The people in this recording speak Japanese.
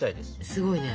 すごいね。